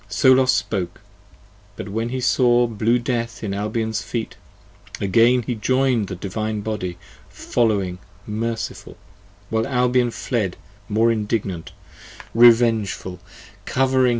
10 So Los spoke: But when he saw blue death in Albion's feet Again he join'd the Divine Body, following, merciful, 12 While Albion fled more indignant: revengeful covering p.